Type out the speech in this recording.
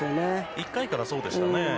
１回からそうでしたね。